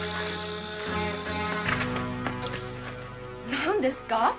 何ですか？